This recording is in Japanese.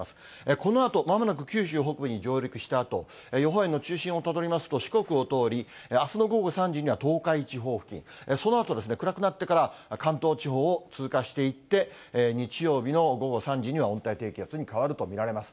このあとまもなく九州北部に上陸したあと、予報円の中心をたどりますと、四国を通り、あすの午後３時には東海地方付近、そのあとですね、暗くなってから関東地方を通過していって、日曜日の午後３時には温帯低気圧に変わると見られます。